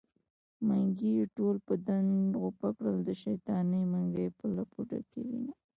منګي يې ټول په ډنډ غوپه کړم د شيطانۍ منګی په لپو ډکوينه